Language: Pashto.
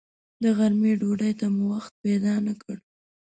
د غرمې ډوډۍ ته مو وخت پیدا نه کړ.